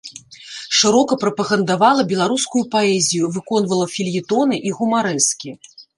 Шырока прапагандавала беларускую паэзію, выконвала фельетоны і гумарэскі.